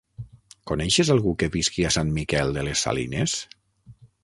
Coneixes algú que visqui a Sant Miquel de les Salines?